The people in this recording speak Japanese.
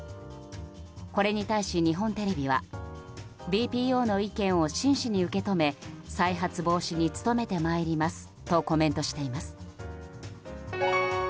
これに対し、日本テレビはＢＰＯの意見を真摯に受け止め再発防止に努めてまいりますとコメントしています。